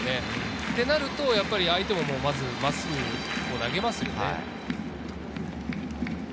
そうなると相手も真っすぐを投げますよね。